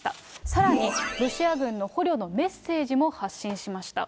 さらに、ロシア軍の捕虜のメッセージも発信しました。